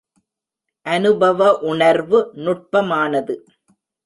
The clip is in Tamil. அநுபவ உணர்வு நுட்பமானது.